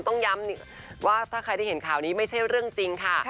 ต้องย้ำว่าถ้าใครได้เห็นข่าวนี้ไม่ใช่เรื่องจริงค่ะ